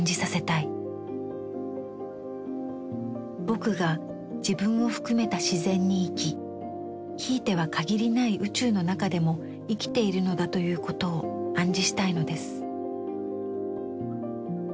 「『ぼく』が自分を含めた自然に生きひいては限りない宇宙の中でも生きているのだということを暗示したいのです」。